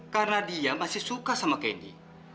karena dia masih suka sama candy